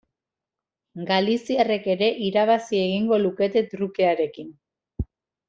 Galiziarrek ere irabazi egingo lukete trukearekin.